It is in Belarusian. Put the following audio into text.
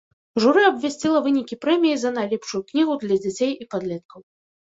Журы абвясціла вынікі прэміі за найлепшую кнігу для дзяцей і падлеткаў.